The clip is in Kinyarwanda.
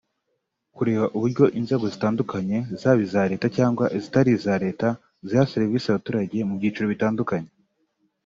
Kureba uburyo inzego zitandukanye zaba iza leta cyangwa izitari iza leta ziha serivisi abaturage mu byiciro bitandukanye